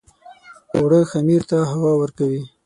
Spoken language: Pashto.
اوړه خمیر ته هوا ورکوي